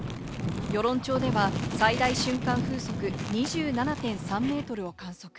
与論町では最大瞬間風速２７．３メートルを観測。